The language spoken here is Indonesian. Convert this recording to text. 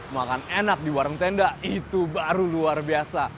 makan enak di warung tenda itu baru luar biasa